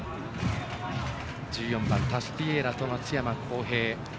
１４番タスティエーラと松山弘平。